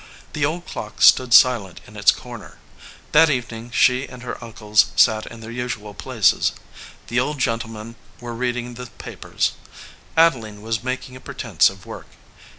The old clock stood silent in its cor ner. That evening she and her uncles sat in their usual places. The old gentlemen were reading the papers. Adeline was making a pretense of work.